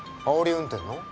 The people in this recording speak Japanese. あおり運転の？